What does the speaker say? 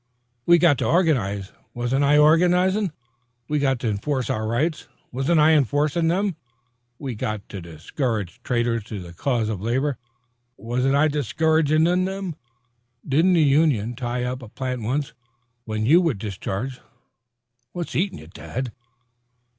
We got to organize. Wasn't I organizin'? We got to enforce our rights. Wasn't I enforcin' them? We got to discourage traitors to the cause of labor. Wasn't I discouragin' them? Didn't the union tie up a plant once when you was discharged? What's eatin' you, dad?"